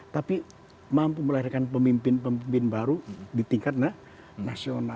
tapi mampu melahirkan pemimpin pemimpin baru di tingkat nasional